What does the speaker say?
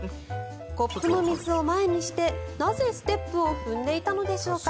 コップの水を前にしてなぜ、ステップを踏んでいたのでしょうか。